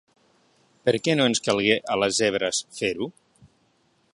Per què no els calgué a les zebres fer-ho?